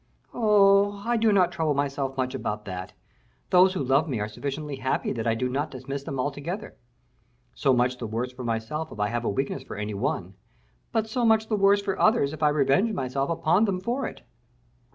"Oh, I do not trouble myself much about that; those who love me are sufficiently happy that I do not dismiss them altogether. So much the worse for myself if I have a weakness for any one, but so much the worse for others if I revenge myself upon them for it."